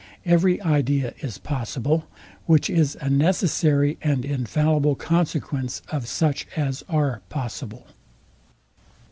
Every idea is possible, which is a necessary and infallible consequence of such as are possible.